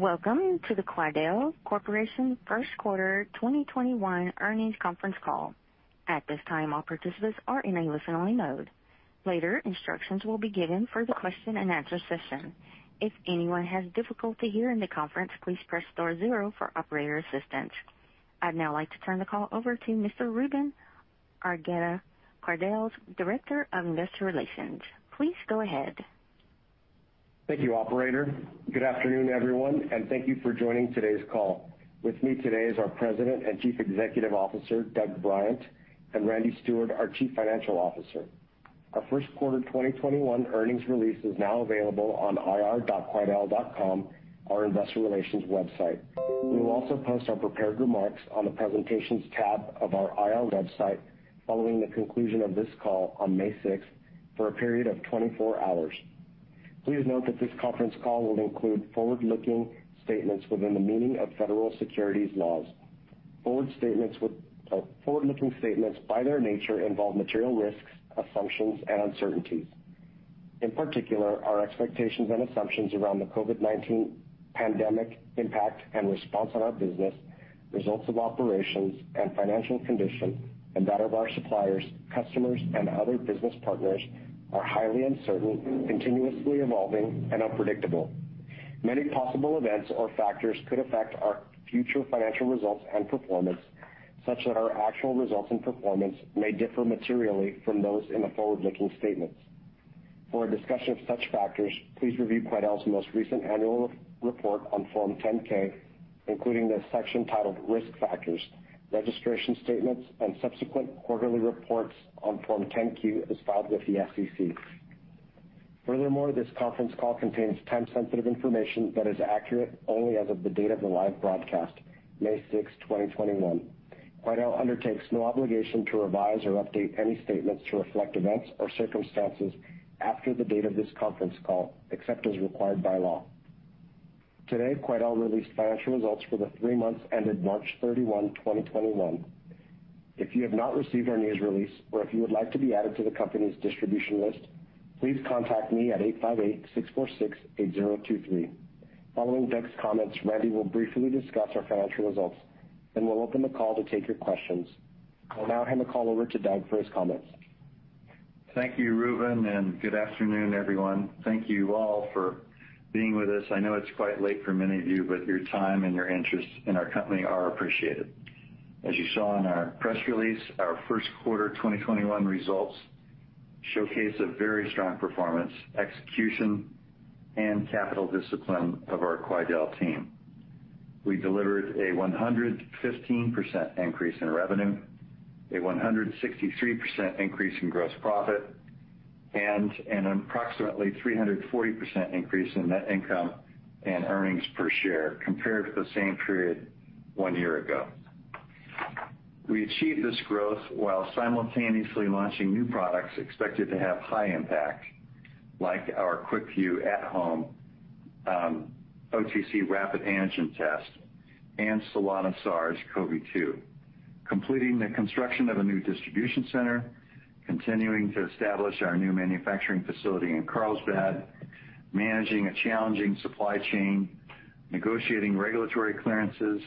Welcome to the Quidel Corporation First Quarter 2021 Earnings Conference Call. At this time, all participants are in listen-only mode. Later, instructions will be given for the question and answer session. If anyone has difficulty hearing the conference, please press star zero for operator assistance. I'd now like to turn the call over to Mr. Ruben, our guest. I'd now like to turn the call over to Mr. Ruben Argueta, Quidel's Director of Investor Relations. Please go ahead. Thank you, operator. Good afternoon, everyone, and thank you for joining today's call. With me today is our President and Chief Executive Officer, Douglas Bryant, and Randy Steward, our Chief Financial Officer. Our first quarter 2021 earnings release is now available on ir.quidel.com, our investor relations website. We will also post our prepared remarks on the presentations tab of our IR website following the conclusion of this call on May 6th for a period of 24 hours. Please note that this conference call will include forward-looking statements within the meaning of federal securities laws. Forward-looking statements by their nature involve material risks, assumptions, and uncertainties. In particular, our expectations and assumptions around the COVID-19 pandemic impact and response on our business, results of operations and financial condition, and that of our suppliers, customers, and other business partners are highly uncertain, continuously evolving, and unpredictable. Many possible events or factors could affect our future financial results and performance, such that our actual results and performance may differ materially from those in the forward-looking statements. For a discussion of such factors, please review Quidel's most recent annual report on Form 10-K, including the section titled Risk Factors, registration statements, and subsequent quarterly reports on Form 10-Q as filed with the SEC. Furthermore, this conference call contains time-sensitive information that is accurate only as of the date of the live broadcast, May 6, 2021. Quidel undertakes no obligation to revise or update any statements to reflect events or circumstances after the date of this conference call, except as required by law. Today, Quidel released financial results for the three months ended March 31, 2021. If you have not received our news release or if you would like to be added to the company's distribution list, please contact me at 858-646-8023. Following Doug's comments, Randy will briefly discuss our financial results, then we'll open the call to take your questions. I'll now hand the call over to Doug Bryant for his comments. Thank you, Ruben. Good afternoon, everyone. Thank you all for being with us. I know it's quite late for many of you, but your time and your interest in our company are appreciated. As you saw in our press release, our first quarter 2021 results showcase a very strong performance, execution, and capital discipline of our Quidel team. We delivered a 115% increase in revenue, a 163% increase in gross profit, and an approximately 340% increase in net income and earnings per share compared to the same period one year ago. We achieved this growth while simultaneously launching new products expected to have high impact, like our QuickVue At-Home Over-the-Counter rapid antigen test and Solana SARS-CoV-2, completing the construction of a new distribution center, continuing to establish our new manufacturing facility in Carlsbad, managing a challenging supply chain, negotiating regulatory clearances,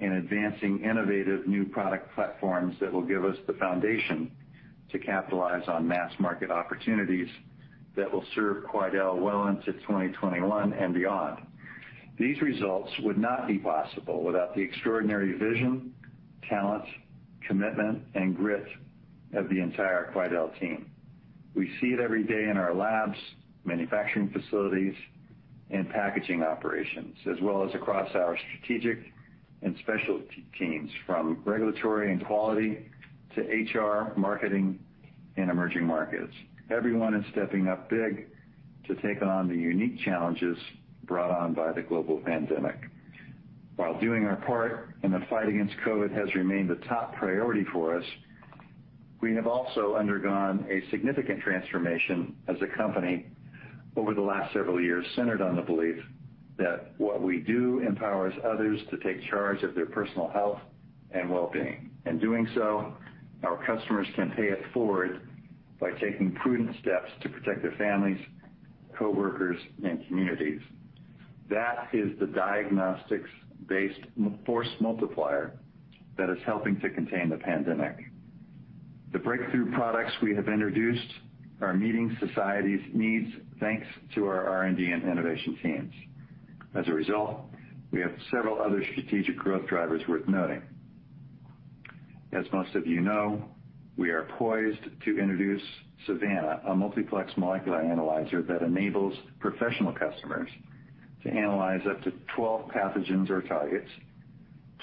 and advancing innovative new product platforms that will give us the foundation to capitalize on mass market opportunities that will serve Quidel well into 2021 and beyond. These results would not be possible without the extraordinary vision, talent, commitment, and grit of the entire Quidel team. We see it every day in our labs, manufacturing facilities, and packaging operations, as well as across our strategic and specialty teams, from regulatory and quality to Human Resources, marketing, and emerging markets. Everyone is stepping up big to take on the unique challenges brought on by the global pandemic. While doing our part in the fight against COVID has remained a top priority for us, we have also undergone a significant transformation as a company over the last several years, centered on the belief that what we do empowers others to take charge of their personal health and well-being. In doing so, our customers can pay it forward by taking prudent steps to protect their families, coworkers, and communities. That is the diagnostics-based force multiplier that is helping to contain the pandemic. The breakthrough products we have introduced are meeting society's needs, thanks to our R&D and innovation teams. As a result, we have several other strategic growth drivers worth noting. As most of you know, we are poised to introduce SAVANNA, a multiplex molecular analyzer that enables professional customers to analyze up to 12 pathogens or targets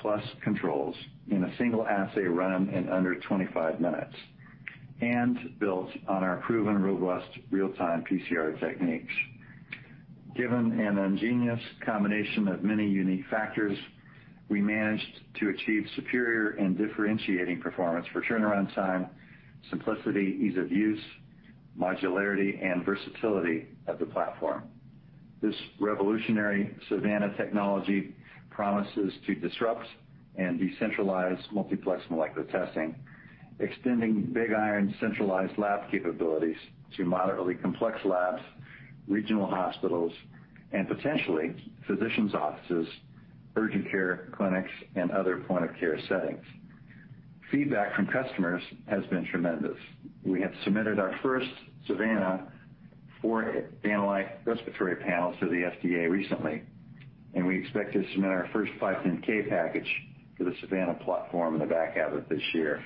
plus controls in a single assay run in under 25 minutes and built on our proven, robust real-time Polymerase Chain Reaction techniques. Given an ingenious combination of many unique factors, we managed to achieve superior and differentiating performance for turnaround time, simplicity, ease of use, modularity, and versatility of the platform. This revolutionary SAVANNA technology promises to disrupt and decentralize multiplex molecular testing, extending big iron centralized lab capabilities to moderately complex labs, regional hospitals, and potentially physician's offices, Urgent care clinics and other point-of-care settings. Feedback from customers has been tremendous. We have submitted our first SAVANNA RVP4 to the Food and Drug Administration recently. We expect to submit our first 510(k) package for the SAVANNA platform in the back half of this year.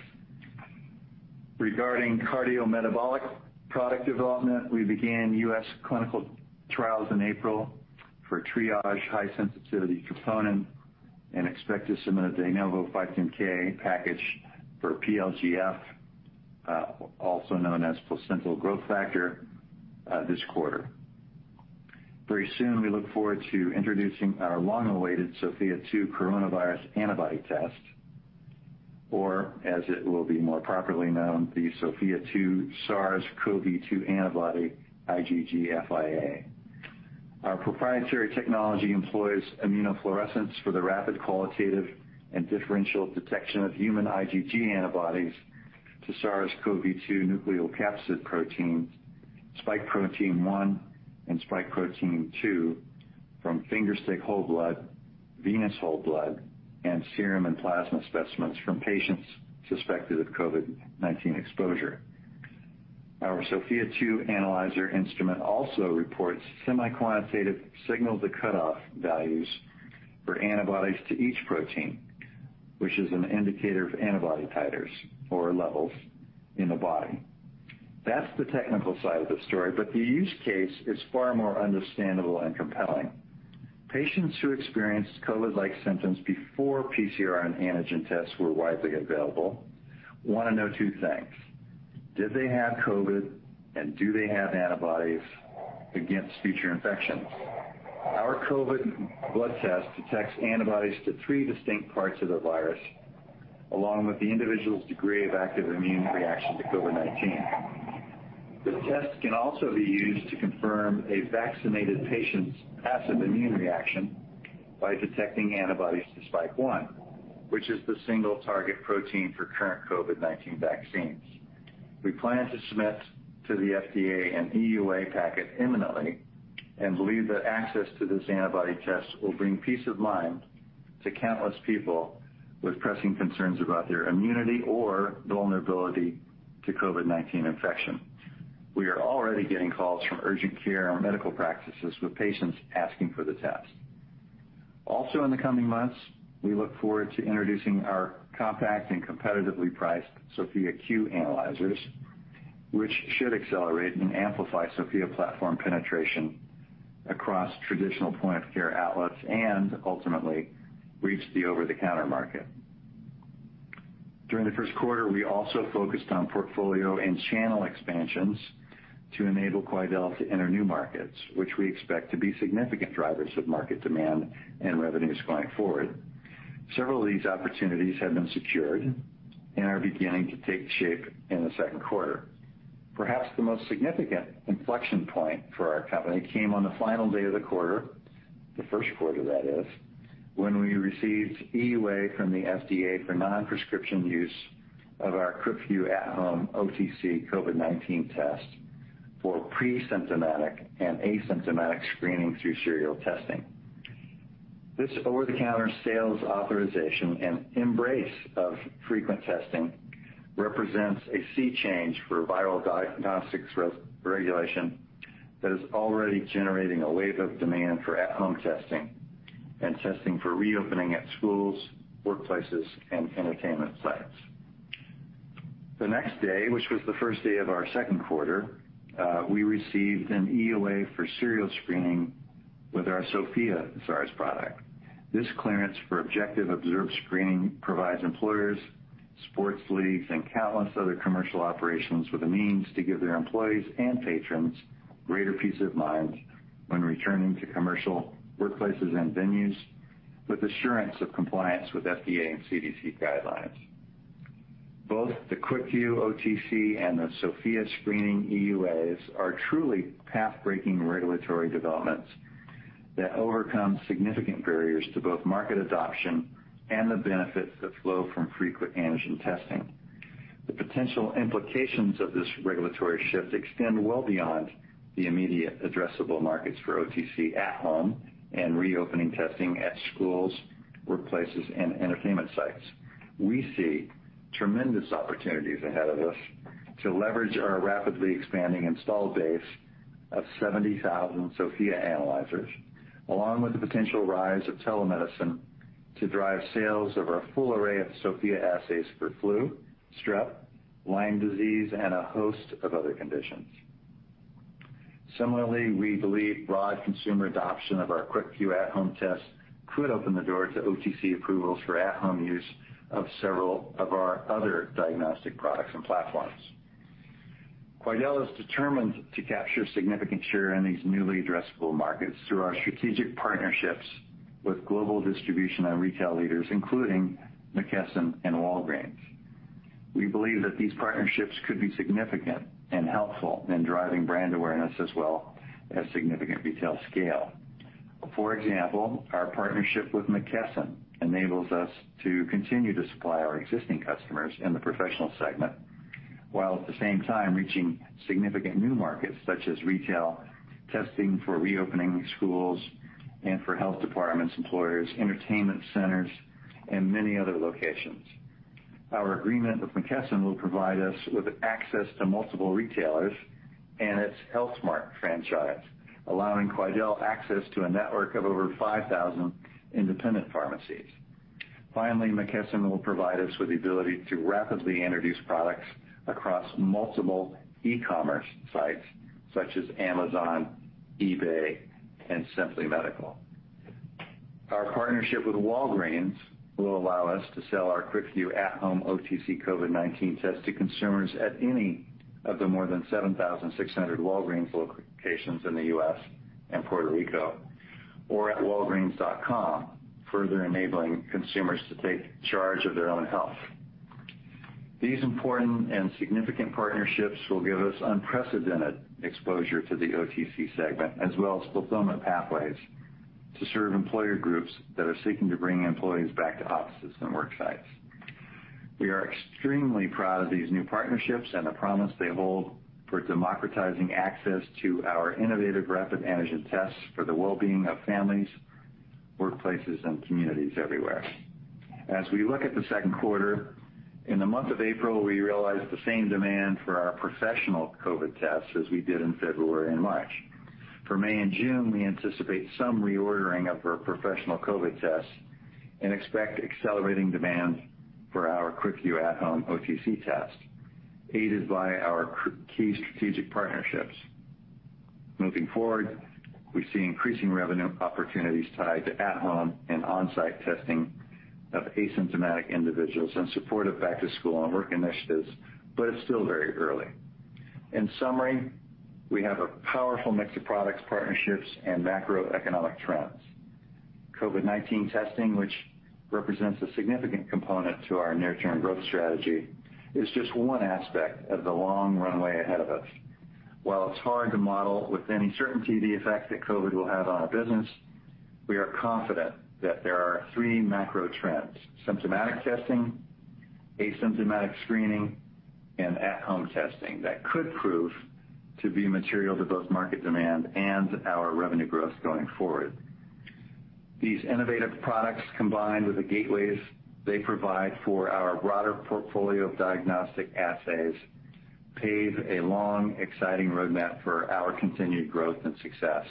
Regarding cardiometabolic product development, we began U.S. clinical trials in April for a Triage high-sensitivity troponin and expect to submit a de novo 510(k) package for PLGF, also known as Placental Growth Factor, this quarter. Very soon, we look forward to introducing our long-awaited Sofia 2 coronavirus antibody test, or as it will be more properly known, the Sofia 2 SARS-CoV-2 Antibody IgG FIA. Our proprietary technology employs immunofluorescence for the rapid qualitative and differential detection of human IgG antibodies to SARS-CoV-2 nucleocapsid proteins, spike protein 1 and spike protein 2 from finger-stick whole blood, venous whole blood, and serum and plasma specimens from patients suspected of COVID-19 exposure. Our Sofia 2 analyzer instrument also reports semi-quantitative signal-to-cutoff values for antibodies to each protein, which is an indicator of antibody titers or levels in the body. That's the technical side of the story, but the use case is far more understandable and compelling. Patients who experienced COVID-like symptoms before PCR and antigen tests were widely available want to know two things: Did they have COVID, and do they have antibodies against future infections? Our COVID blood test detects antibodies to three distinct parts of the virus, along with the individual's degree of active immune reaction to COVID-19. The test can also be used to confirm a vaccinated patient's passive immune reaction by detecting antibodies to spike 1, which is the single target protein for current COVID-19 vaccines. We plan to submit to the FDA an Emergency Use Authorization packet imminently and believe that access to this antibody test will bring peace of mind to countless people with pressing concerns about their immunity or vulnerability to COVID-19 infection. We are already getting calls from urgent care medical practices with patients asking for the test. In the coming months, we look forward to introducing our compact and competitively priced Sofia Q analyzers, which should accelerate and amplify Sofia platform penetration across traditional point-of-care outlets and ultimately reach the over-the-counter market. During the first quarter, we also focused on portfolio and channel expansions to enable Quidel to enter new markets, which we expect to be significant drivers of market demand and revenues going forward. Several of these opportunities have been secured and are beginning to take shape in the second quarter. Perhaps the most significant inflection point for our company came on the final day of the quarter, the first quarter that is, when we received EUA from the FDA for non-prescription use of our QuickVue At-Home OTC COVID-19 Test for pre-symptomatic and asymptomatic screening through serial testing. This over-the-counter sales authorization and embrace of frequent testing represents a sea change for viral diagnostics regulation that is already generating a wave of demand for at-home testing and testing for reopening at schools, workplaces, and entertainment sites. The next day, which was the first day of our second quarter, we received an EUA for serial screening with our Sofia SARS Antigen. This clearance for objective observed screening provides employers, sports leagues, and countless other commercial operations with a means to give their employees and patrons greater peace of mind when returning to commercial workplaces and venues with assurance of compliance with FDA and Centers for Disease Control guidelines. Both the QuickVue OTC and the Sofia SARS Antigen EUAs are truly pathbreaking regulatory developments that overcome significant barriers to both market adoption and the benefits that flow from frequent antigen testing. The potential implications of this regulatory shift extend well beyond the immediate addressable markets for OTC at-home and reopening testing at schools, workplaces, and entertainment sites. We see tremendous opportunities ahead of us to leverage our rapidly expanding installed base of 70,000 Sofia analyzers, along with the potential rise of telemedicine to drive sales of our full array of Sofia assays for flu, strep, Lyme disease, and a host of other conditions. Similarly, we believe broad consumer adoption of our QuickVue At-Home test could open the door to OTC approvals for at-home use of several of our other diagnostic products and platforms. Quidel is determined to capture significant share in these newly addressable markets through our strategic partnerships with global distribution and retail leaders, including McKesson and Walgreens. We believe that these partnerships could be significant and helpful in driving brand awareness as well as significant retail scale. For example, our partnership with McKesson enables us to continue to supply our existing customers in the professional segment. While at the same time, reaching significant new markets such as retail, testing for reopening schools and for health departments, employers, entertainment centers, and many other locations. Our agreement with McKesson will provide us with access to multiple retailers and its Health Mart franchise, allowing Quidel access to a network of over 5,000 independent pharmacies. Finally, McKesson will provide us with the ability to rapidly introduce products across multiple e-commerce sites such as Amazon, eBay, and Simply Medical. Our partnership with Walgreens will allow us to sell our QuickVue At-Home OTC COVID-19 Test to consumers at any of the more than 7,600 Walgreens locations in the U.S. and Puerto Rico, or at walgreens.com, further enabling consumers to take charge of their own health. These important and significant partnerships will give us unprecedented exposure to the OTC segment, as well as fulfillment pathways to serve employer groups that are seeking to bring employees back to offices and work sites. We are extremely proud of these new partnerships and the promise they hold for democratizing access to our innovative rapid antigen tests for the well-being of families, workplaces, and communities everywhere. As we look at the second quarter, in the month of April, we realized the same demand for our professional COVID tests as we did in February and March. For May and June, we anticipate some reordering of our professional COVID tests and expect accelerating demand for our QuickVue At-Home OTC test, aided by our key strategic partnerships. Moving forward, we see increasing revenue opportunities tied to at-home and on-site testing of asymptomatic individuals in support of back to school and work initiatives. It's still very early. In summary, we have a powerful mix of products, partnerships, and macroeconomic trends. COVID-19 testing, which represents a significant component to our near-term growth strategy, is just one aspect of the long runway ahead of us. While it's hard to model with any certainty the effect that COVID will have on our business, we are confident that there are three macro trends, symptomatic testing, asymptomatic screening, and at-home testing that could prove to be material to both market demand and our revenue growth going forward. These innovative products, combined with the gateways they provide for our broader portfolio of diagnostic assays, pave a long, exciting roadmap for our continued growth and success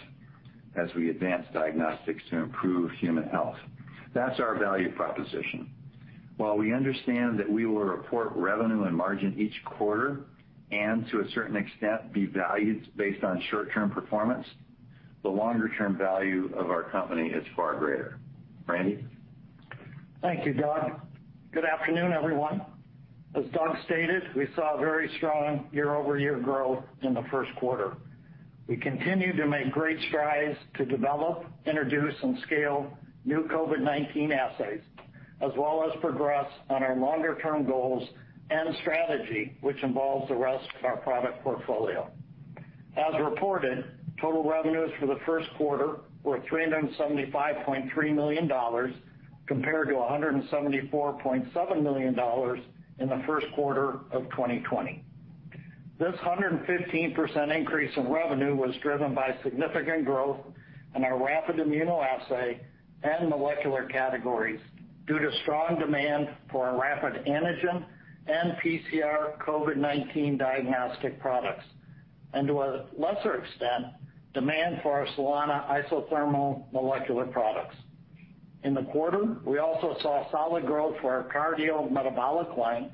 as we advance diagnostics to improve human health. That's our value proposition. While we understand that we will report revenue and margin each quarter, and to a certain extent, be valued based on short-term performance, the longer-term value of our company is far greater. Randy Steward? Thank you, Doug. Good afternoon, everyone. As Doug stated, we saw very strong year-over-year growth in the first quarter. We continue to make great strides to develop, introduce, and scale new COVID-19 assays, as well as progress on our longer-term goals and strategy, which involves the rest of our product portfolio. As reported, total revenues for the first quarter were $375.3 million, compared to $174.7 million in the first quarter of 2020. This 115% increase in revenue was driven by significant growth in our rapid immunoassay and molecular categories due to strong demand for our rapid antigen and PCR COVID-19 diagnostic products. To a lesser extent, demand for our Solana isothermal molecular products. In the quarter, we also saw solid growth for our cardiometabolic line,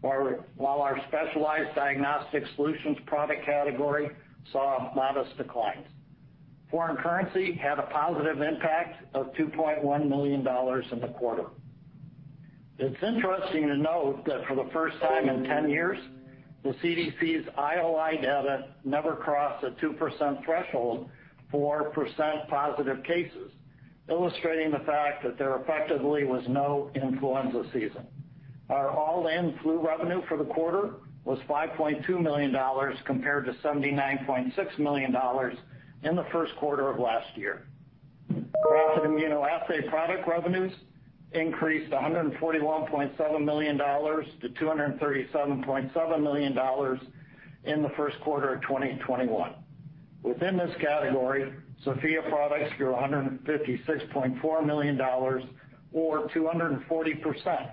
while our specialized diagnostic solutions product category saw modest declines. Foreign currency had a positive impact of $2.1 million in the quarter. It's interesting to note that for the first time in 10 years, the CDC's influenza-like illness data never crossed a 2% threshold for percent positive cases, illustrating the fact that there effectively was no influenza season. Our all-in flu revenue for the quarter was $5.92 million, compared to $79.6 million in the first quarter of last year. Rapid immunoassay product revenues increased $141.7 million to $237.7 million in the first quarter of 2021. Within this category, Sofia products grew $156.4 million or 240%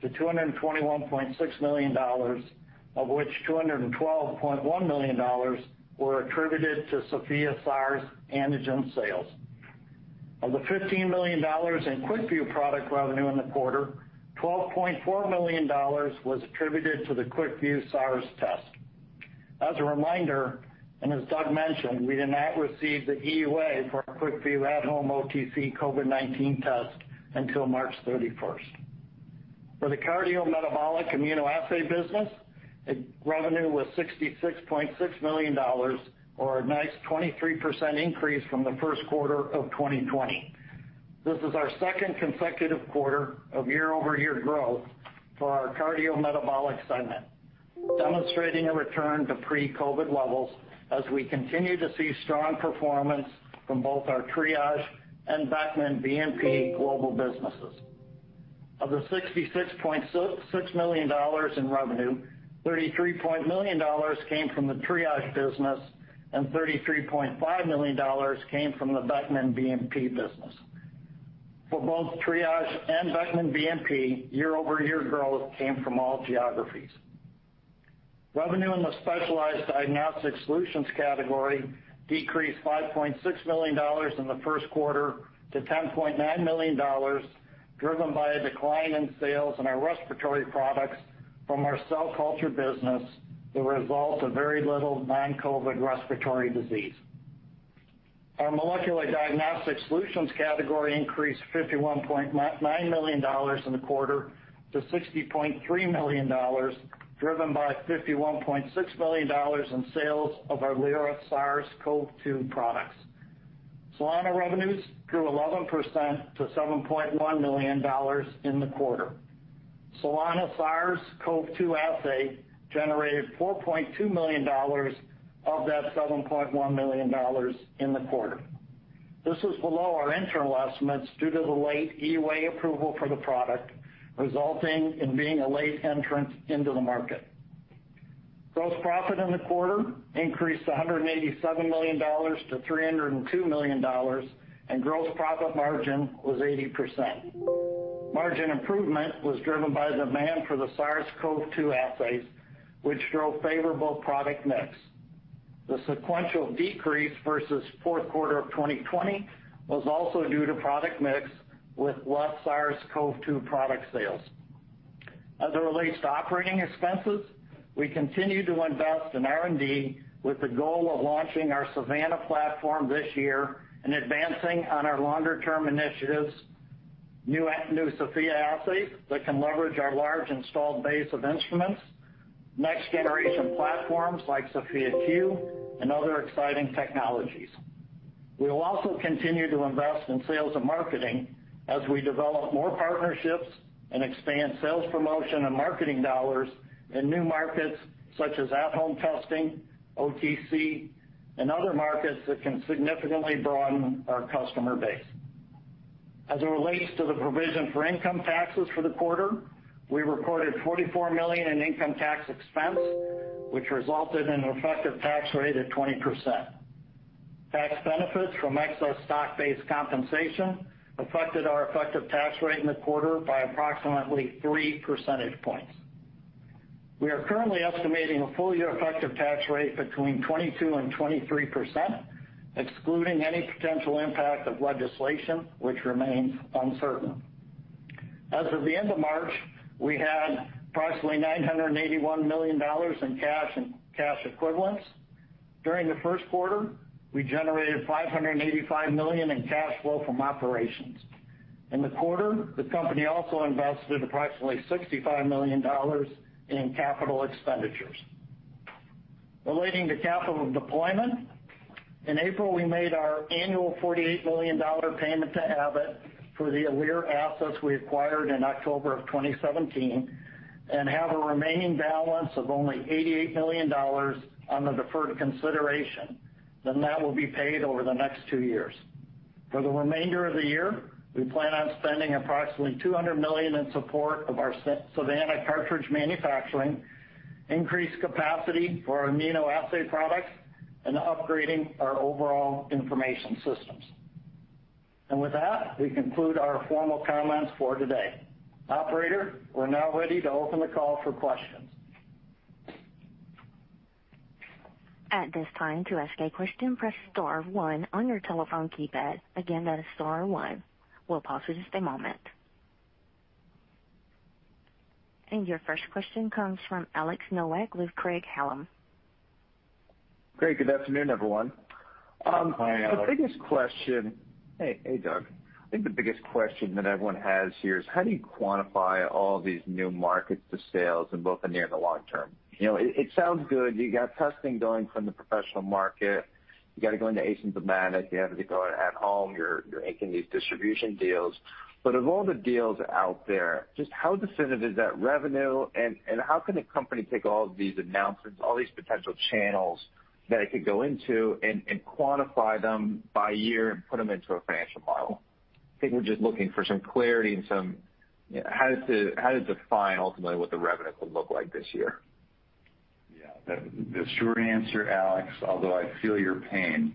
to $221.6 million, of which $212.1 million were attributed to Sofia SARS Antigen sales. Of the $15 million in QuickVue product revenue in the quarter, $12.4 million was attributed to the QuickVue SARS test. As a reminder, and as Doug mentioned, we did not receive the EUA for our QuickVue At-Home OTC COVID-19 Test until March 31st. For the cardiometabolic immunoassay business, revenue was $66.6 million, or a nice 23% increase from the first quarter of 2020. This is our second consecutive quarter of year-over-year growth for our Cardiometabolic segment, demonstrating a return to pre-COVID levels as we continue to see strong performance from both our Triage and Beckman BNP global businesses. Of the $66.6 million in revenue, $33 million came from the Triage business and $33.5 million came from the Beckman BNP business. For both Triage and Beckman BNP, year-over-year growth came from all geographies. Revenue in the Specialized Diagnostic Solutions category decreased $5.6 million in the first quarter to $10.9 million, driven by a decline in sales in our respiratory products from our cell culture business, the result of very little non-COVID respiratory disease. Our molecular diagnostic solutions category increased $51.9 million in the quarter to $60.3 million, driven by $51.6 million in sales of our Lyra SARS-CoV-2 products. Solana revenues grew 11% to $7.1 million in the quarter. Solana SARS-CoV-2 Assay generated $4.2 million of that $7.1 million in the quarter. This was below our internal estimates due to the late EUA approval for the product, resulting in being a late entrant into the market. Gross profit in the quarter increased $187 million to $302 million, and gross profit margin was 80%. Margin improvement was driven by demand for the SARS-CoV-2 assays, which drove favorable product mix. The sequential decrease versus fourth quarter of 2020 was also due to product mix, with less SARS-CoV-2 product sales. As it relates to operating expenses, we continue to invest in R&D with the goal of launching our SAVANNA platform this year and advancing on our longer-term initiatives, new Sofia assays that can leverage our large installed base of instruments, next-generation platforms like Sofia Q and other exciting technologies. We will also continue to invest in sales and marketing as we develop more partnerships and expand sales promotion and marketing dollars in new markets such as at-home testing, OTC, and other markets that can significantly broaden our customer base. As it relates to the provision for income taxes for the quarter, we reported $44 million in income tax expense, which resulted in an effective tax rate of 20%. Tax benefits from excess stock-based compensation affected our effective tax rate in the quarter by approximately three percentage points. We are currently estimating a full-year effective tax rate between 22% and 23%, excluding any potential impact of legislation, which remains uncertain. As of the end of March, we had approximately $981 million in cash and cash equivalents. During the first quarter, we generated $585 million in cash flow from operations. In the quarter, the company also invested approximately $65 million in capital expenditures. Relating to capital deployment, in April, we made our annual $48 million payment to Abbott for the Alere assets we acquired in October of 2017 and have a remaining balance of only $88 million on the deferred consideration. That will be paid over the next two years. For the remainder of the year, we plan on spending approximately $200 million in support of our SAVANNA cartridge manufacturing, increased capacity for our immunoassay products, and upgrading our overall information systems. With that, we conclude our formal comments for today. Operator, we are now ready to open the call for questions. At this time, to ask a question, press star one on your telephone keypad. Again, that's star one. We'll pause just a moment. Your first question comes from Alex Nowak with Craig-Hallum. Great, good afternoon, everyone. Hi, Alex. Hey, Doug. I think the biggest question that everyone has here is how do you quantify all these new markets to sales in both the near and the long term? It sounds good. You got testing going from the professional market. You got to go into asymptomatic and symptomatic. You have to go at home. You're making these distribution deals. Of all the deals out there, just how definitive is that revenue, and how can a company take all of these announcements, all these potential channels that it could go into, and quantify them by year and put them into a financial model? I think we're just looking for some clarity and how to define ultimately what the revenue could look like this year. Yeah. The short answer, Alex, although I feel your pain,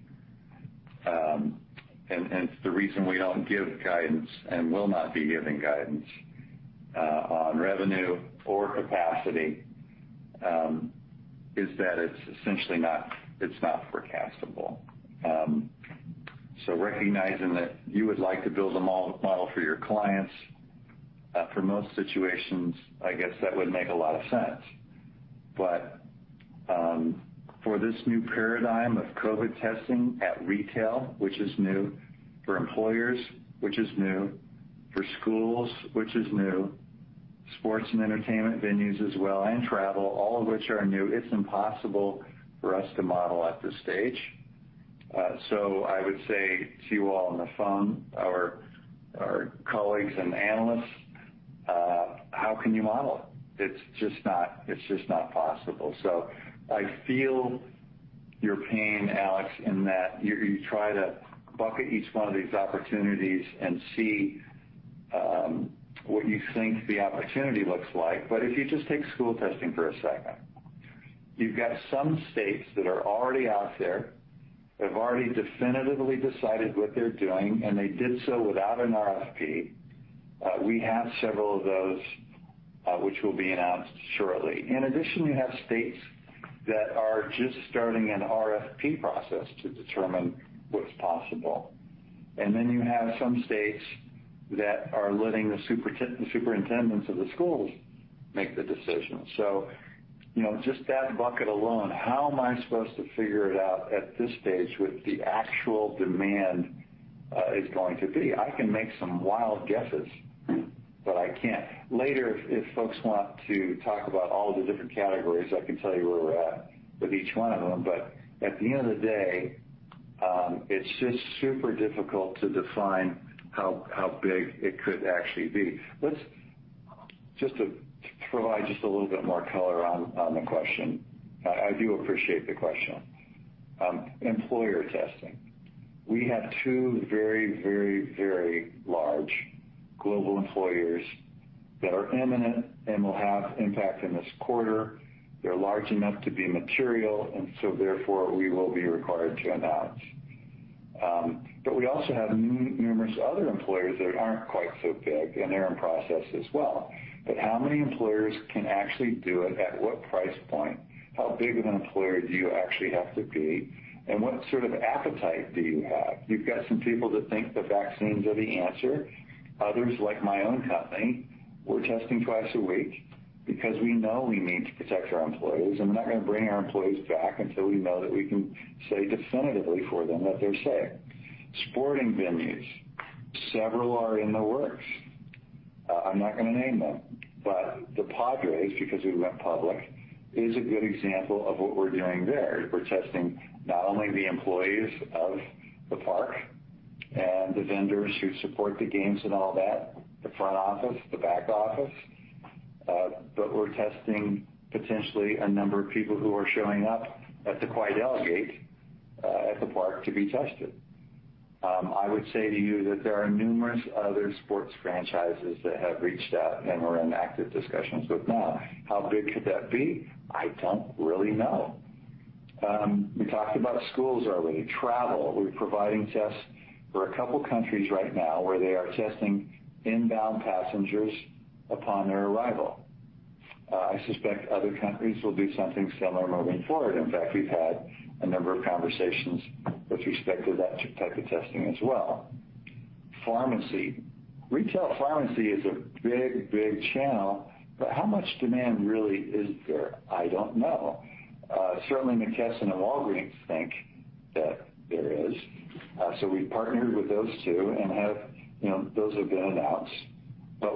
and it's the reason we don't give guidance and will not be giving guidance on revenue or capacity, is that it's essentially not forecastable. Recognizing that you would like to build a model for your clients, for most situations, I guess that would make a lot of sense. For this new paradigm of COVID testing at retail, which is new, for employers, which is new, for schools, which is new, sports and entertainment venues as well, and travel, all of which are new, it's impossible for us to model at this stage. I would say to you all on the phone, our colleagues and analysts How can you model it? It's just not possible. I feel your pain, Alex, in that you try to bucket each one of these opportunities and see what you think the opportunity looks like. If you just take school testing for a second, you've got some states that are already out there, have already definitively decided what they're doing, and they did so without an request for proposal. We have several of those, which will be announced shortly. In addition, we have states that are just starting an RFP process to determine what's possible. Then you have some states that are letting the superintendents of the schools make the decision. Just that bucket alone, how am I supposed to figure it out at this stage what the actual demand is going to be? I can make some wild guesses, but I can't. Later, if folks want to talk about all the different categories, I can tell you where we're at with each one of them. At the end of the day, it's just super difficult to define how big it could actually be. Let's just provide just a little bit more color on the question. I do appreciate the question. Employer testing. We have two very large global employers that are imminent and will have impact in this quarter. They're large enough to be material, therefore we will be required to announce. We also have numerous other employers that aren't quite so big, and they're in process as well. How many employers can actually do it? At what price point? How big of an employer do you actually have to be, and what sort of appetite do you have? You've got some people that think the vaccines are the answer. Others, like my own company, we're testing twice a week because we know we need to protect our employees, and we're not going to bring our employees back until we know that we can say definitively for them that they're safe. Sporting venues. Several are in the works. I'm not going to name them, but the Padres, because we went public, is a good example of what we're doing there, is we're testing not only the employees of the park and the vendors who support the games and all that, the front office, the back office, but we're testing potentially a number of people who are showing up at the Quidel gate, at the park to be tested. I would say to you that there are numerous other sports franchises that have reached out and we're in active discussions with now. How big could that be? I don't really know. We talked about schools already. Travel, we're providing tests for a couple of countries right now where they are testing inbound passengers upon their arrival. I suspect other countries will do something similar moving forward. In fact, we've had a number of conversations with respect to that type of testing as well. Pharmacy. Retail pharmacy is a big channel, but how much demand really is there? I don't know. Certainly McKesson and Walgreens think that there is. We've partnered with those two and those have been announced.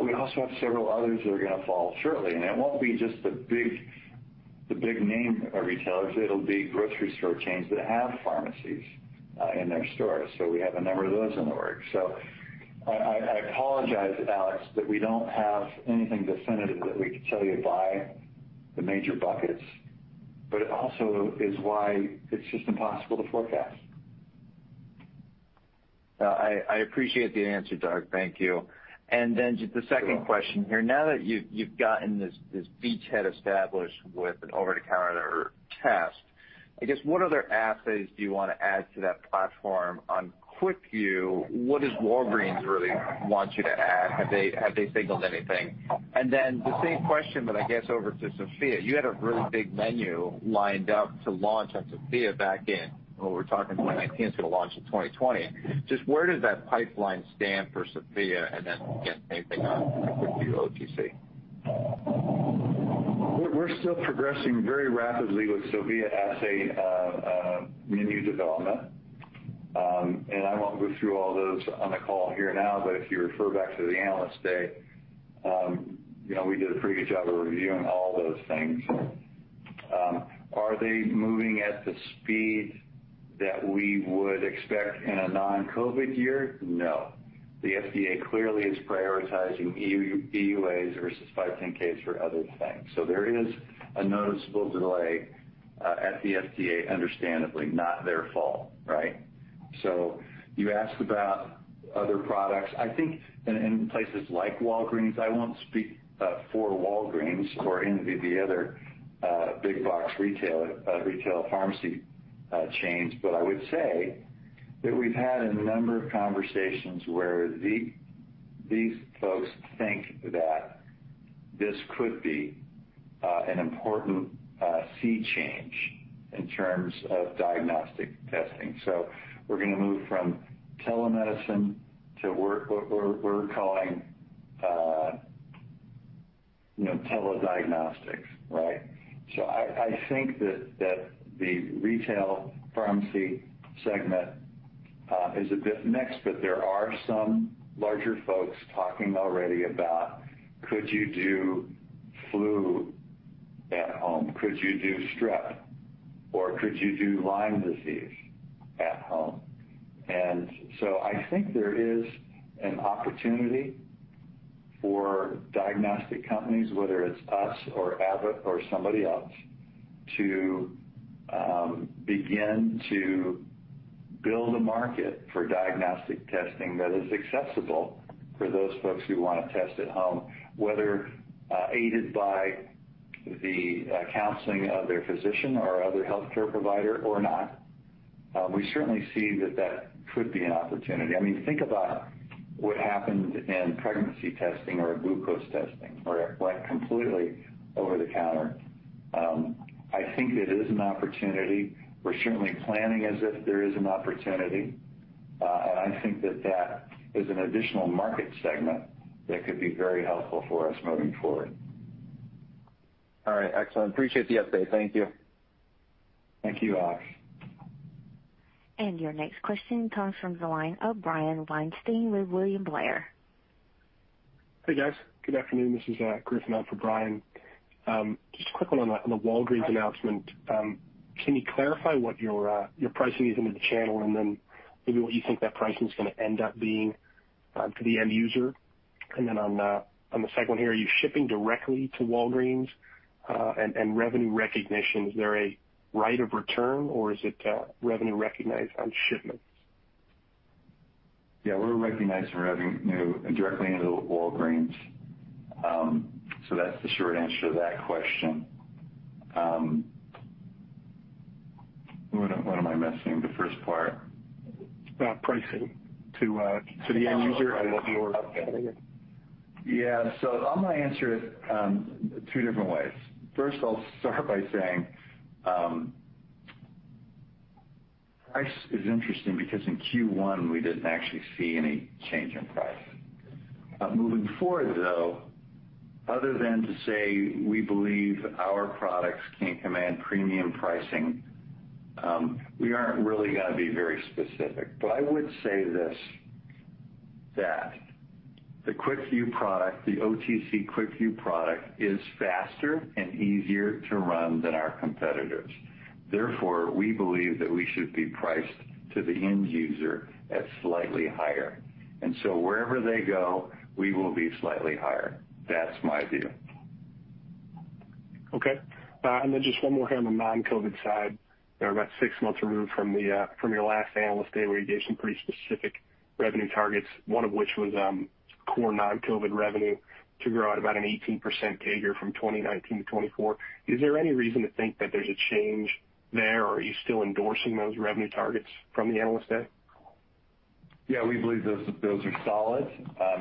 We also have several others that are going to follow shortly, and it won't be just the big name retailers. It'll be grocery store chains that have pharmacies in their stores. We have a number of those in the works. I apologize, Alex, that we don't have anything definitive that we can tell you by the major buckets, but it also is why it's just impossible to forecast. I appreciate the answer, Doug. Thank you. Just the second question here, now that you've gotten this beachhead established with an over-the-counter test, I guess what other assays do you want to add to that platform on QuickVue? What does Walgreens really want you to add? Have they signaled anything? The same question, but I guess over to Sofia. You had a really big menu lined up to launch on Sofia back in, when we were talking 2019, it's going to launch in 2020. Just where does that pipeline stand for Sofia and then again, same thing on Quidel OTC? We're still progressing very rapidly with Sofia assay menu development. I won't go through all those on the call here now, but if you refer back to the Analyst Day, we did a pretty good job of reviewing all those things. Are they moving at the speed that we would expect in a non-COVID year? No. The FDA clearly is prioritizing EUAs versus 510(k)s for other things. There is a noticeable delay at the FDA, understandably, not their fault, right? You asked about other products. I think in places like Walgreens, I won't speak for Walgreens or any of the other big box retail pharmacy chains, but I would say that we've had a number of conversations where these folks think that this could be an important sea change in terms of diagnostic testing. We're going to move from telemedicine to what we're calling tele-diagnostics. I think that the retail pharmacy segment is a bit mixed, but there are some larger folks talking already about could you do flu at home, could you do strep or could you do Lyme disease at home? I think there is an opportunity for diagnostic companies, whether it's us or Abbott or somebody else, to begin to build a market for diagnostic testing that is accessible for those folks who want to test at home, whether aided by the counseling of their physician or other healthcare provider or not. We certainly see that that could be an opportunity. Think about what happened in pregnancy testing or glucose testing where it went completely over the counter. I think it is an opportunity. We're certainly planning as if there is an opportunity. I think that that is an additional market segment that could be very helpful for us moving forward. All right, excellent. Appreciate the update. Thank you. Thank you, Alex Nowak. Your next question comes from the line of Brian Weinstein with William Blair. Hey, guys. Good afternoon. This is Griffin Soriano on for Brian. Just a quick one on the Walgreens announcement. Can you clarify what your pricing is into the channel and maybe what you think that pricing is going to end up being to the end user? On the second one here, are you shipping directly to Walgreens? Revenue recognition, is there a right of return or is it revenue recognized on shipments? Yeah, we're recognizing revenue directly into Walgreens. That's the short answer to that question. What am I missing, the first part? About pricing to the end user? Yeah. I am going to answer it two different ways. First, I will start by saying price is interesting because in Q1 we did not actually see any change in price. Moving forward, though, other than to say we believe our products can command premium pricing, we are not really going to be very specific. I would say this, that the QuickVue product, the OTC QuickVue product, is faster and easier to run than our competitors. Therefore, we believe that we should be priced to the end user at slightly higher. Wherever they go, we will be slightly higher. That is my view. Okay. Just one more here on the non-COVID side. We're about six months removed from your last Analyst Day where you gave some pretty specific revenue targets, one of which was core non-COVID revenue to grow at about an 18% CAGR from 2019 to 2024. Is there any reason to think that there's a change there, or are you still endorsing those revenue targets from the Analyst Day? Yeah, we believe those are solid.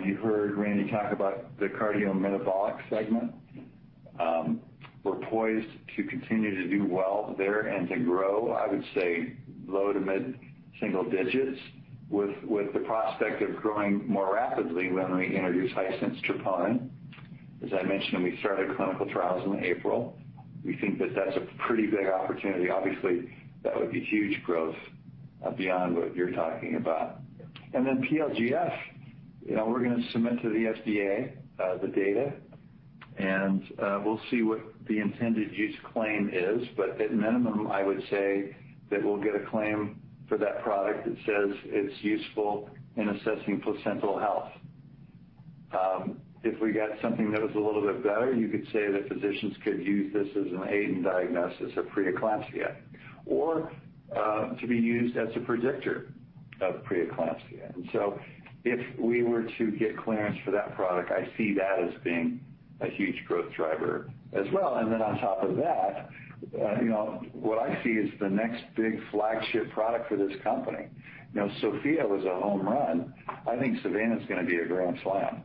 You heard Randy talk about the Cardiometabolic segment. We're poised to continue to do well there and to grow, I would say low to mid-single digits with the prospect of growing more rapidly when we introduce high-sense troponin. As I mentioned, we started clinical trials in April. We think that that's a pretty big opportunity. Obviously, that would be huge growth beyond what you're talking about. PLGF, we're going to submit to the FDA the data, and we'll see what the intended use claim is. At minimum, I would say that we'll get a claim for that product that says it's useful in assessing placental health. If we got something that was a little bit better, you could say that physicians could use this as an aid in diagnosis of preeclampsia or to be used as a predictor of preeclampsia. If we were to get clearance for that product, I see that as being a huge growth driver as well. On top of that, what I see is the next big flagship product for this company. Sofia was a home run. I think SAVANNA's going to be a grand slam.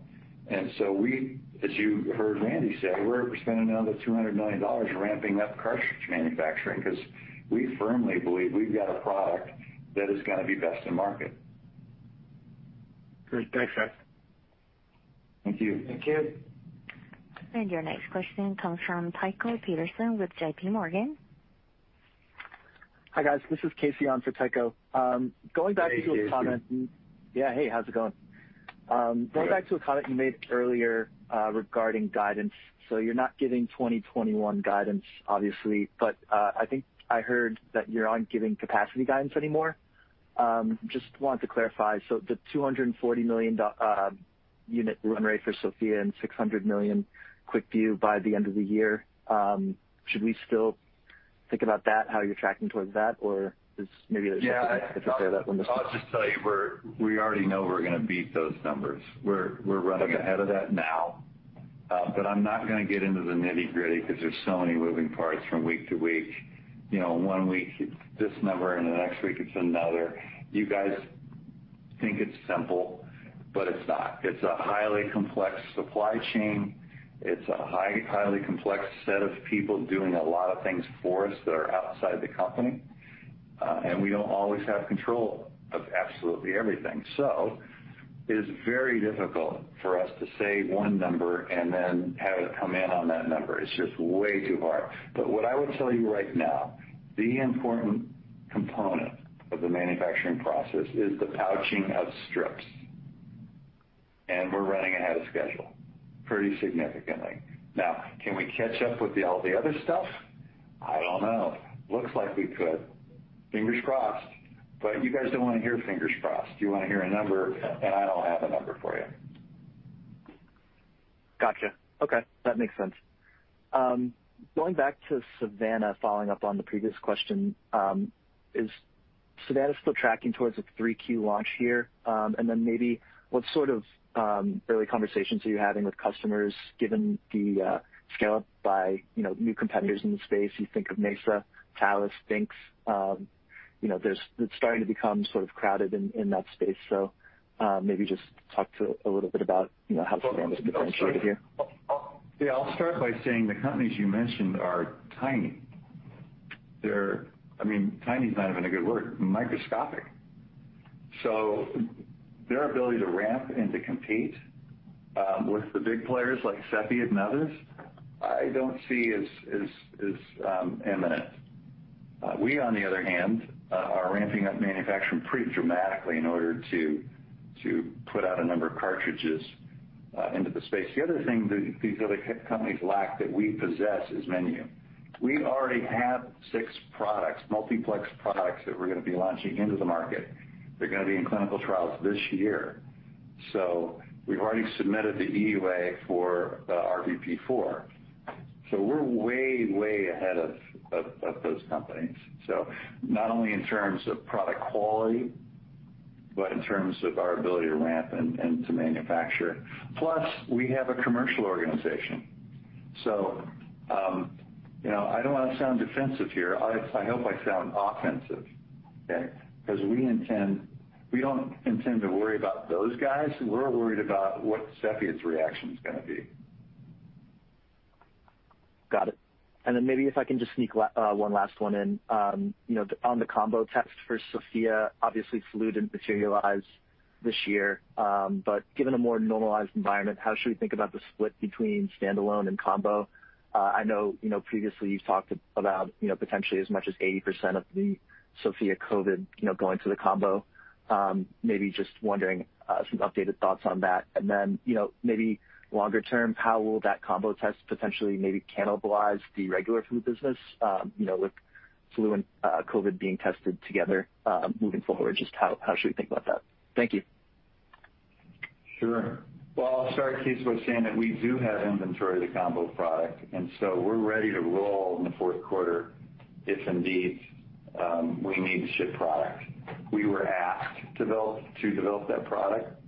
We, as you heard Randy say, we're spending another $200 million ramping up cartridge manufacturing because we firmly believe we've got a product that is going to be best in market. Great. Thanks, guys. Thank you. Thank you. Your next question comes from Tycho Peterson with JPMorgan. Hi, guys. This is Casey Woodring on for Ty. Hey, Casey. Yeah, hey, how's it going? Good. Going back to a comment you made earlier regarding guidance. You're not giving 2021 guidance, obviously, but I think I heard that you're not giving capacity guidance anymore. Just wanted to clarify. The 240-million unit run rate for Sofia and 600 million QuickVue by the end of the year, should we still think about that, how you're tracking towards that? Or maybe there's nothing to say about that one this quarter? I'll just tell you we already know we're going to beat those numbers. We're running ahead of that now. I'm not going to get into the nitty-gritty because there's so many moving parts from week to week. One week it's this number, and the next week it's another. You guys think it's simple, but it's not. It's a highly complex supply chain. It's a highly complex set of people doing a lot of things for us that are outside the company. We don't always have control of absolutely everything. It is very difficult for us to say one number and then have it come in on that number. It's just way too hard. What I will tell you right now, the important component of the manufacturing process is the pouching of strips. And we're running ahead of schedule pretty significantly. Can we catch up with all the other stuff? I don't know. Looks like we could. Fingers crossed. You guys don't want to hear fingers crossed. You want to hear a number, and I don't have a number for you. Got you. Okay. That makes sense. Going back to SAVANNA, following up on the previous question, is SAVANNA still tracking towards a 3Q launch here? Maybe what sort of early conversations are you having with customers given the scale up by new competitors in the space? You think of Mesa, Talis, Binx. It's starting to become sort of crowded in that space. Maybe just talk to a little bit about how SAVANNA is differentiated here. Yeah. I'll start by saying the companies you mentioned are tiny. Tiny is not even a good word, microscopic. Their ability to ramp and to compete with the big players like Cepheid and others, I don't see as imminent. We, on the other hand, are ramping up manufacturing pretty dramatically in order to put out a number of cartridges into the space. The other thing that these other companies lack that we possess is menu. We already have six products, multiplex products that we're going to be launching into the market. They're going to be in clinical trials this year. We've already submitted the EUA for SAVANNA RVP4. We're way ahead of those companies. Not only in terms of product quality, but in terms of our ability to ramp and to manufacture. Plus, we have a commercial organization. I don't want to sound defensive here. I hope I sound offensive, okay? We don't intend to worry about those guys. We're worried about what Cepheid's reaction is going to be. Got it. Maybe if I can just sneak one last one in. On the combo test for Sofia, obviously flu didn't materialize this year. Given a more normalized environment, how should we think about the split between standalone and combo? I know previously you've talked about potentially as much as 80% of the Sofia COVID going to the combo. Maybe just wondering, some updated thoughts on that, maybe longer term, how will that combo test potentially maybe cannibalize the regular flu business with flu and COVID being tested together moving forward? Just how should we think about that? Thank you. Sure. Well, I'll start, Casey, by saying that we do have inventory of the combo product, we're ready to roll in the fourth quarter if indeed we need to ship product. We were asked to develop that product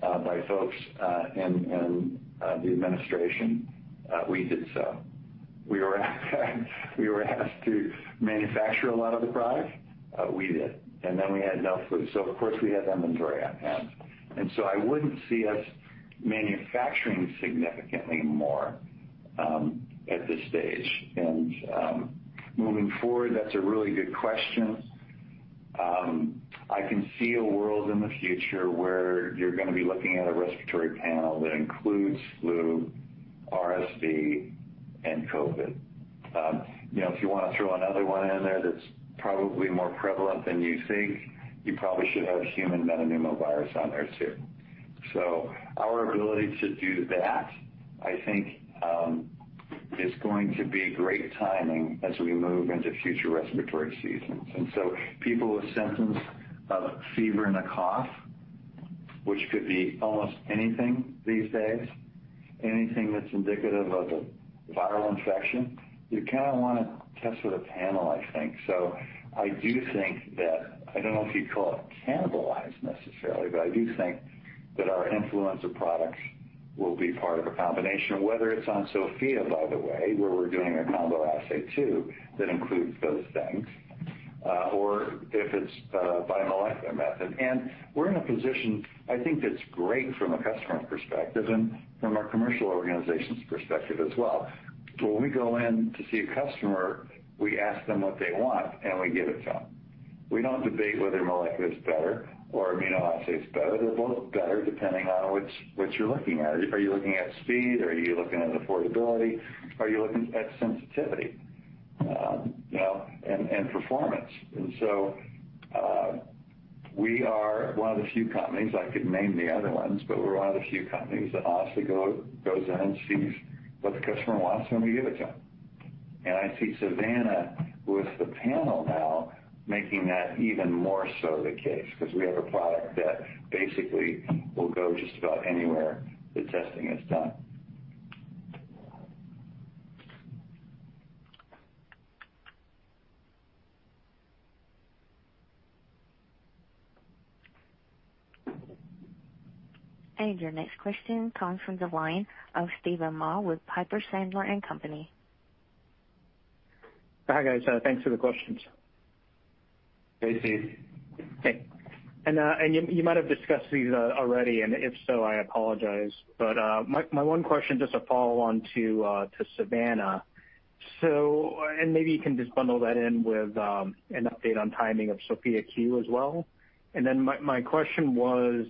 by folks in the administration. We did so. We were asked to manufacture a lot of the product. We did, we had no flu. Of course, we had inventory on hand, I wouldn't see us manufacturing significantly more at this stage. Moving forward, that's a really good question. I can see a world in the future where you're going to be looking at a respiratory panel that includes flu, RSV, and COVID. If you want to throw another one in there that's probably more prevalent than you think, you probably should have human metapneumovirus on there, too. Our ability to do that, I think, is going to be great timing as we move into future respiratory seasons. People with symptoms of fever and a cough, which could be almost anything these days, anything that's indicative of a viral infection, you kind of want to test with a panel, I think. I do think that, I don't know if you'd call it cannibalized necessarily, but I do think that our influenza products will be part of a combination of whether it's on Sofia, by the way, where we're doing a combo assay too that includes those things, or if it's by molecular method. We're in a position, I think that's great from a customer perspective and from a commercial organization's perspective as well. When we go in to see a customer, we ask them what they want, and we give it to them. We don't debate whether molecular is better or immunoassay is better. They're both better depending on what you're looking at. Are you looking at speed or are you looking at affordability? Are you looking at sensitivity and performance? We are one of the few companies, I could name the other ones, but we're one of the few companies that honestly goes in and sees what the customer wants, and we give it to them. I see SAVANNA with the panel now making that even more so the case because we have a product that basically will go just about anywhere the testing is done. Your next question comes from the line of Steven Mah with Piper Sandler & Co.. Hi, guys. Thanks for the questions. Hey, Steven. Hey. You might have discussed these already, and if so, I apologize. My one question, just a follow-on to SAVANNA, and maybe you can just bundle that in with an update on timing of Sofia Q as well, was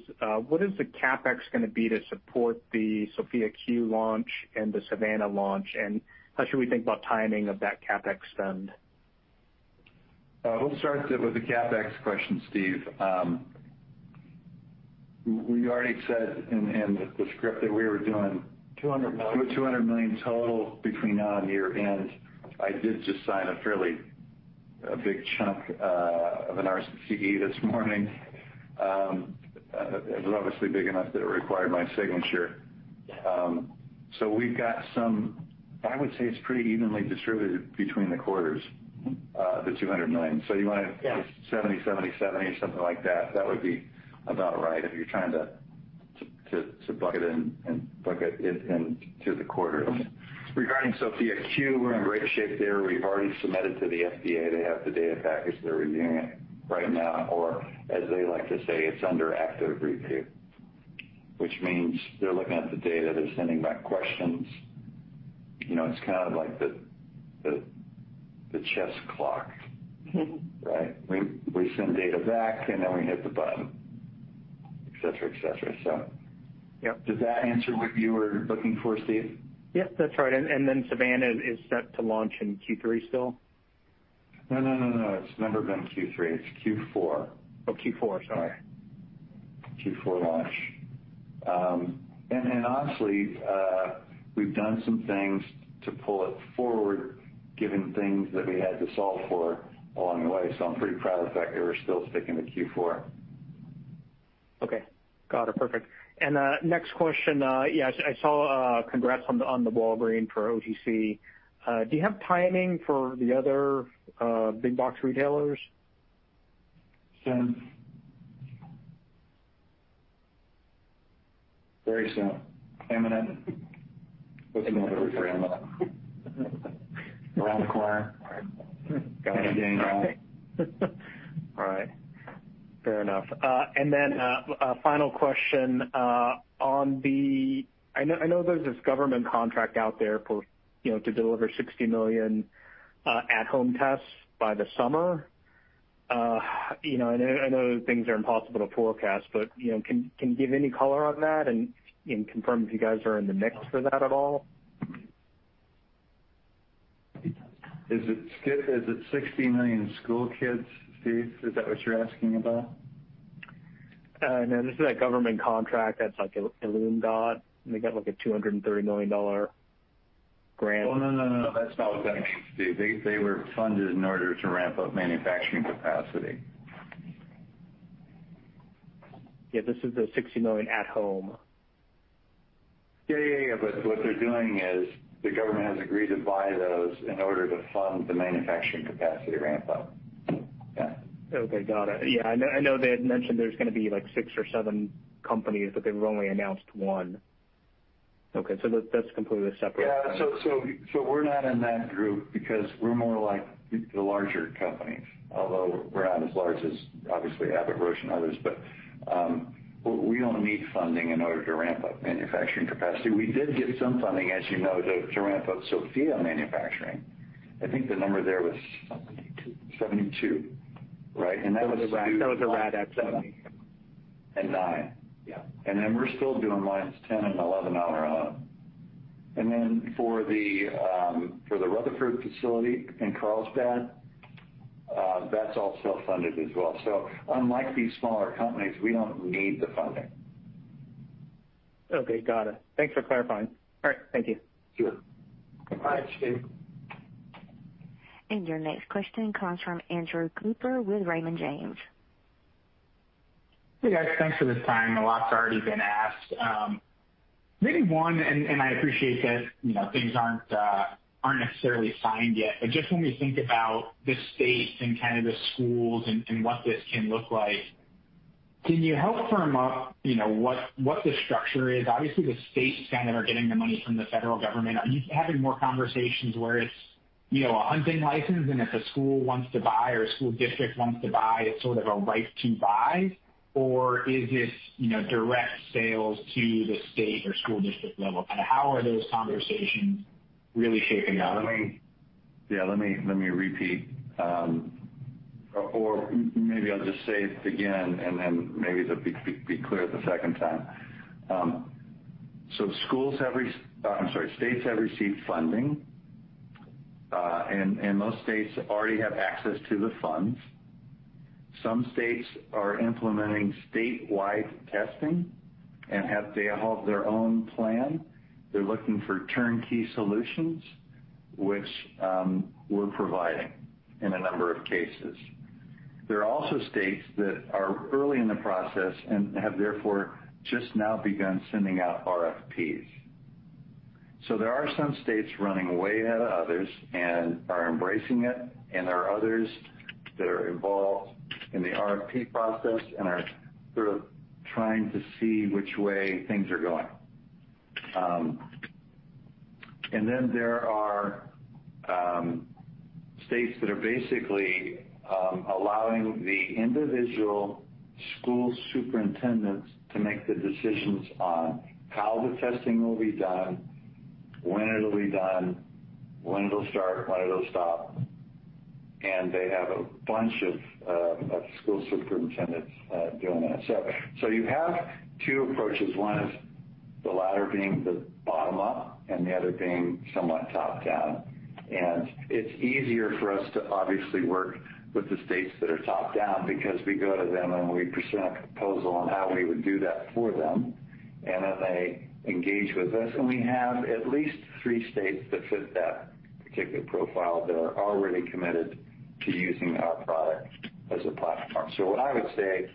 what is the CapEx going to be to support the Sofia Q launch and the SAVANNA launch, and how should we think about timing of that CapEx spend? We'll start with the CapEx question, Steven. We already said in the script that we were $200 million total between now and year-end. I did just sign a fairly big chunk of a return on capital employed this morning. It was obviously big enough that it required my signature. We've got some, I would say it's pretty evenly distributed between the quarters the $200 million. Yeah. something like that. That would be about right if you're trying to bucket it into the quarters. Regarding Sofia Q, we're in great shape there. We've already submitted to the FDA. They have the data package. They're reviewing it right now, or as they like to say, it's under active review, which means they're looking at the data. They're sending back questions. It's kind of like the chess clock. Right? We send data back, and then we hit the button, et cetera. Yep. Did that answer what you were looking for, Steven Mah? Yep, that's right. SAVANNA is set to launch in Q3 still? No, it's never been Q3. It's Q4. Oh, Q4. Sorry. Q4 launch. Honestly, we've done some things to pull it forward, given things that we had to solve for along the way. I'm pretty proud of the fact that we're still sticking to Q4. Okay. Got it. Perfect. Next question. Yeah, I saw congrats on the Walgreens for OTC. Do you have timing for the other big box retailers? Soon. Very soon. Imminent. What's another word for imminent? Around the corner. Getting there. All right. Fair enough. A final question. I know there's this government contract out there to deliver 60 million at-home tests by the summer. I know things are impossible to forecast, can you give any color on that and confirm if you guys are in the mix for that at all? Is it 60 million school kids, Steven? Is that what you're asking about? No, this is a government contract that's like Ellume got. They got like a $230 million grant. Oh, no, that's not what that means, Steve. They were funded in order to ramp up manufacturing capacity. Yeah, this is the $60 million at home. Yeah, what they're doing is the government has agreed to buy those in order to fund the manufacturing capacity ramp up. Yeah. Okay. Got it. I know they had mentioned there's going to be six or seven companies, but they've only announced one. That's completely separate. We're not in that group because we're more like the larger companies, although we're not as large as obviously Abbott, Roche, and others. We don't need funding in order to ramp up manufacturing capacity. We did get some funding, as you know, to ramp up Sofia manufacturing. I think the number there was. 72. Right. That was a RADx program. And nine. Yeah. We're still doing lines 10 and 11 on our own. For the Rutherford facility in Carlsbad, that's all self-funded as well. Unlike these smaller companies, we don't need the funding. Okay. Got it. Thanks for clarifying. All right, thank you. Sure. Bye, Steven. Your next question comes from Andrew Cooper with Raymond James. Hey, guys. Thanks for the time. A lot's already been asked. Maybe one, and I appreciate that things aren't necessarily signed yet, but just when we think about the states and kind of the schools and what this can look like, can you help firm up what the structure is? Obviously, the states kind of are getting the money from the federal government. Are you having more conversations where it's a hunting license, and if a school wants to buy or a school district wants to buy, it's sort of a right to buy, or is this direct sales to the state or school district level? Kind of how are those conversations really shaking out? Yeah, let me repeat. Maybe I'll just say it again, and then maybe it'll be clear the second time. I'm sorry, states have received funding, and most states already have access to the funds. Some states are implementing statewide testing and have developed their own plan. They're looking for turnkey solutions, which we're providing in a number of cases. There are also states that are early in the process and have therefore just now begun sending out RFPs. There are some states running way ahead of others and are embracing it, and there are others that are involved in the RFP process and are sort of trying to see which way things are going. Then there are states that are basically allowing the individual school superintendents to make the decisions on how the testing will be done, when it'll be done, when it'll start, when it'll stop. They have a bunch of school superintendents doing that. You have two approaches. One is the latter being the bottom up and the other being somewhat top down. It's easier for us to obviously work with the states that are top down because we go to them and we present a proposal on how we would do that for them, and then they engage with us. We have at least three states that fit that particular profile that are already committed to using our product as a platform. What I would say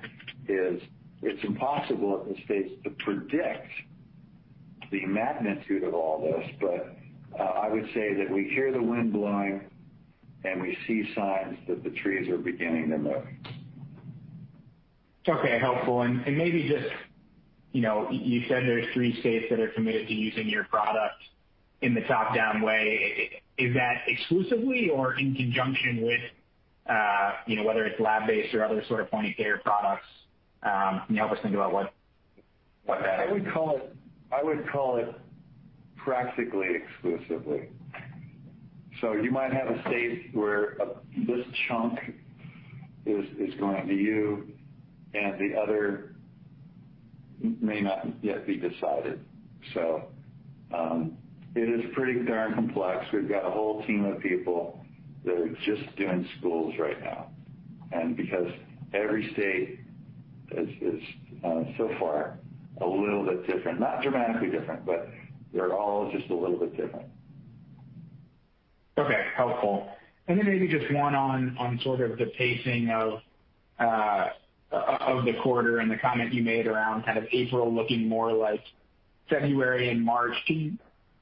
is, it's impossible at this stage to predict the magnitude of all this. I would say that we hear the wind blowing, and we see signs that the trees are beginning to move. Okay. Helpful. Maybe just, you said there's three states that are committed to using your product in the top-down way. Is that exclusively or in conjunction with whether it's lab-based or other sort of point-of-care products? Can you help us think about what that is? I would call it practically exclusively. You might have a state where this chunk is going to you and the other may not yet be decided. It is pretty darn complex. We've got a whole team of people that are just doing schools right now. Because every state is so far a little bit different, not dramatically different, but they're all just a little bit different. Okay. Helpful. Then maybe just one on sort of the pacing of the quarter and the comment you made around kind of April looking more like February and March. Can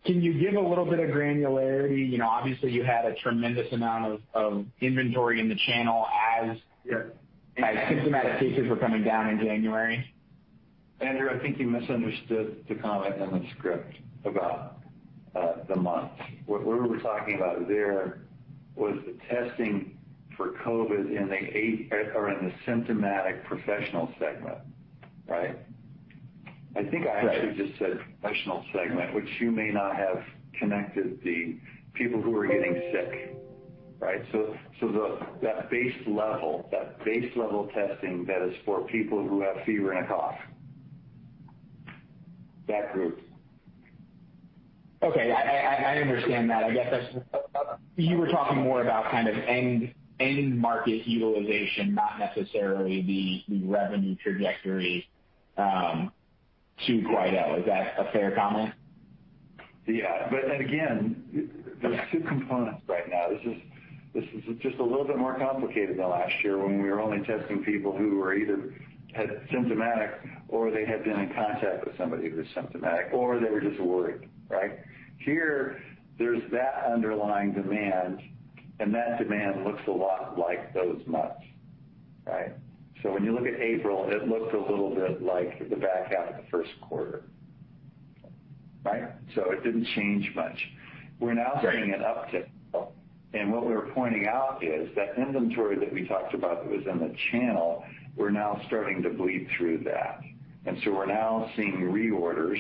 you give a little bit of granularity? Obviously, you had a tremendous amount of inventory in the channel as symptomatic cases were coming down in January. Andrew, I think you misunderstood the comment in the script about the months. What we were talking about there was the testing for COVID in the symptomatic professional segment. Right? Right. I think I actually just said professional segment, which you may not have connected the people who are getting sick. Right? That base level testing that is for people who have fever and a cough, that group. Okay. I understand that. I guess you were talking more about end market utilization, not necessarily the revenue trajectory to Quidel. Is that a fair comment? Yeah. Again, there's two components right now. This is just a little bit more complicated than last year when we were only testing people who were either had symptomatic or they had been in contact with somebody who was symptomatic, or they were just worried, right? Here, there's that underlying demand, and that demand looks a lot like those months, right? When you look at April, it looked a little bit like the back half of the first quarter. Right? It didn't change much. We're now seeing an uptick, and what we're pointing out is that inventory that we talked about that was in the channel, we're now starting to bleed through that. We're now seeing reorders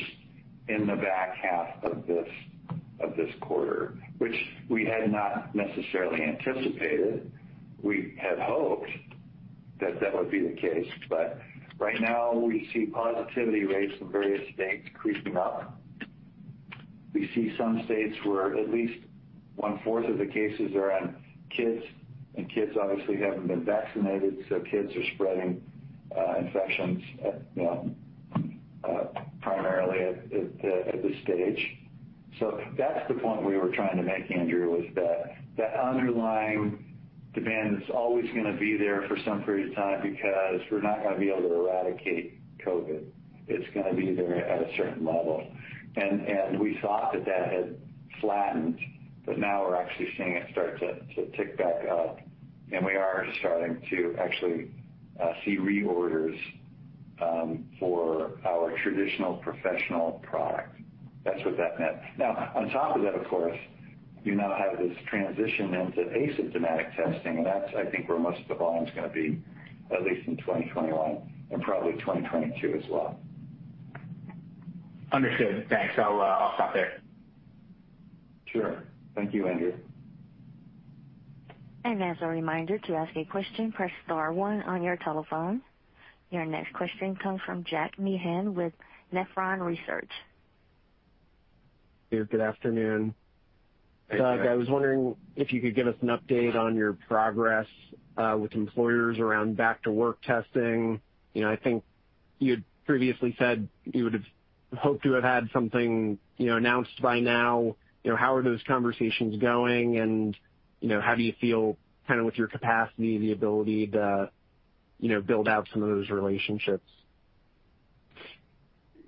in the back half of this quarter, which we had not necessarily anticipated. We had hoped that that would be the case, but right now we see positivity rates in various states creeping up. We see some states where at least one fourth of the cases are in kids, and kids obviously haven't been vaccinated, so kids are spreading infections primarily at this stage. That's the point we were trying to make, Andrew, was that that underlying demand is always going to be there for some period of time because we're not going to be able to eradicate COVID. It's going to be there at a certain level. We thought that that had flattened, but now we're actually seeing it start to tick back up, and we are starting to actually see reorders for our traditional professional product. That's what that meant. On top of that, of course, you now have this transition into asymptomatic testing, and that's, I think, where most of the volume's going to be, at least in 2021 and probably 2022 as well. Understood. Thanks. I'll stop there. Sure. Thank you, Andrew. As a reminder, to ask a question, press star one on your telephone. Your next question comes from Jack Meehan with Nephron Research. Good afternoon. Hey, Jack. Doug, I was wondering if you could give us an update on your progress with employers around back-to-work testing. I think you had previously said you would've hoped to have had something announced by now. How are those conversations going, and how do you feel with your capacity, the ability to build out some of those relationships?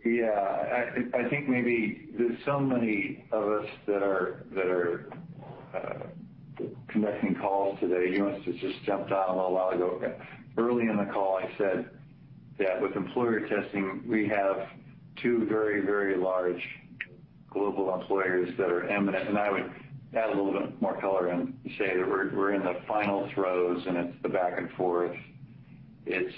Yeah. I think maybe there's so many of us that are conducting calls today. You must have just jumped on a little while ago. Early in the call, I said that with employer testing, we have two very large global employers that are eminent. I would add a little bit more color and say that we're in the final throes, and it's the back and forth. It's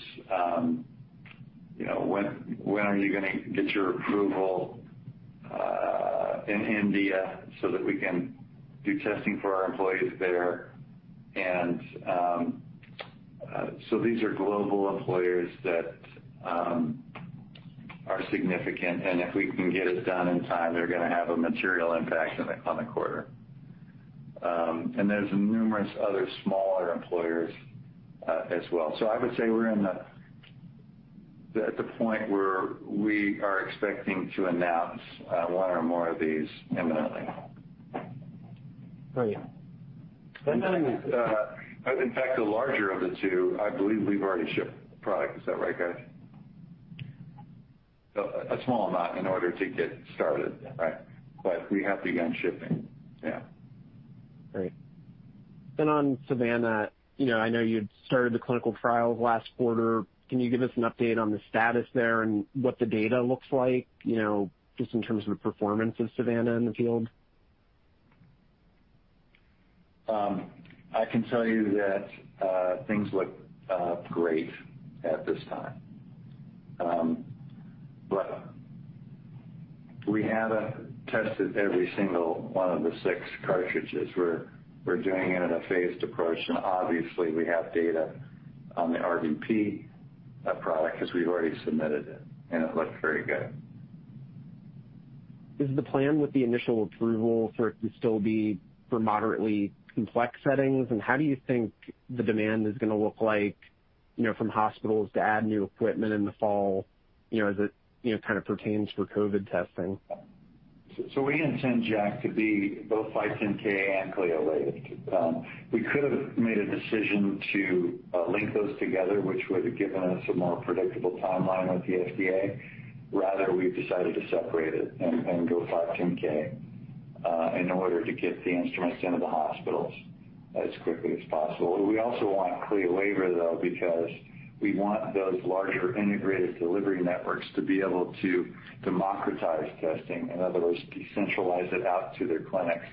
when are you going to get your approval in India so that we can do testing for our employees there. These are global employers that are significant, and if we can get it done in time, they're going to have a material impact on the quarter. There's numerous other smaller employers as well. I would say we're at the point where we are expecting to announce one or more of these imminently. Great. In fact, the larger of the two, I believe we've already shipped the product. Is that right, guys? A small amount in order to get started.. Right. We have begun shipping. Yeah. Great. On SAVANNA, I know you had started the clinical trials last quarter. Can you give us an update on the status there and what the data looks like, just in terms of the performance of SAVANNA in the field? I can tell you that things look great at this time. We haven't tested every single one of the six cartridges. We're doing it in a phased approach. Obviously, we have data on the RVP product because we've already submitted it, and it looked very good. Is the plan with the initial approval for it to still be for moderately complex settings? And how do you think the demand is going to look like from hospitals to add new equipment in the fall as it pertains for COVID testing? We intend Jack to be both 510(k) and Clinical Laboratory Improvement Amendments waived. We could have made a decision to link those together, which would have given us a more predictable timeline with the FDA. Rather, we've decided to separate it and go 510(k) in order to get the instruments into the hospitals as quickly as possible. We also want CLIA waiver, though, because we want those larger integrated delivery networks to be able to democratize testing. In other words, decentralize it out to their clinics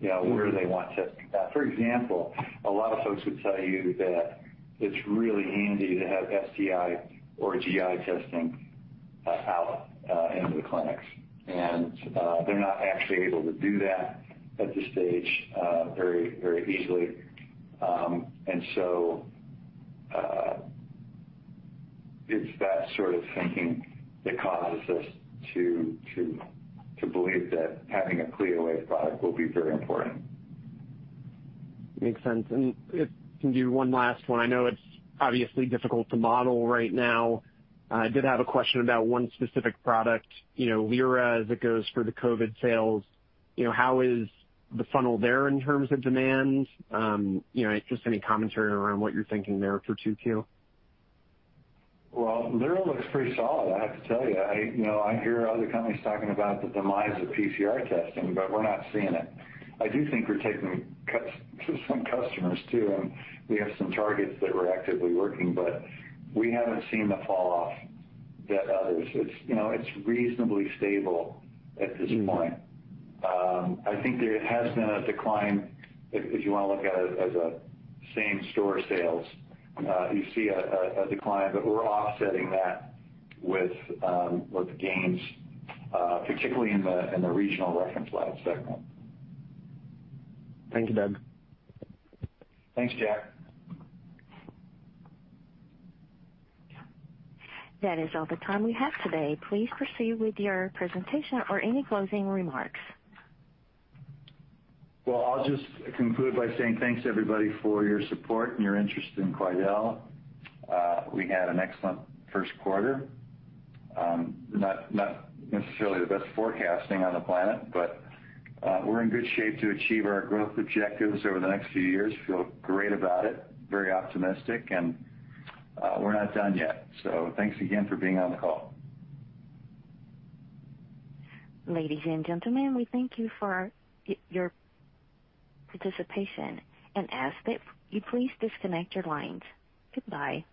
where they want testing done. For example, a lot of folks would tell you that it's really handy to have sexually transmitted infection or gastrointestinal testing out into the clinics. They're not actually able to do that at this stage very easily. It's that sort of thinking that causes us to believe that having a CLIA waived product will be very important. If I can do one last one, I know it's obviously difficult to model right now. I did have a question about one specific product, Lyra, as it goes for the COVID sales. How is the funnel there in terms of demand? Just any commentary around what you're thinking there for 2Q? Well, Lyra looks pretty solid, I have to tell you. I hear other companies talking about the demise of PCR testing, but we're not seeing it. I do think we're taking cuts to some customers too, and we have some targets that we're actively working, but we haven't seen the fall off that others. It's reasonably stable at this point. I think there has been a decline, if you want to look at it as a same-store sales, you see a decline, but we're offsetting that with gains, particularly in the regional reference laboratory segment. Thank you, Doug. Thanks, Jack. That is all the time we have today. Please proceed with your presentation or any closing remarks. Well, I'll just conclude by saying thanks everybody for your support and your interest in Quidel. We had an excellent first quarter. Not necessarily the best forecasting on the planet, but we're in good shape to achieve our growth objectives over the next few years. Feel great about it, very optimistic, and we're not done yet. Thanks again for being on the call. Ladies and gentlemen, we thank you for your participation and ask that you please disconnect your lines. Goodbye.